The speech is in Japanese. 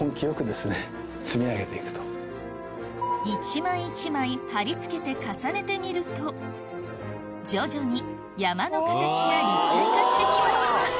一枚一枚貼り付けて徐々に山の形が立体化してきました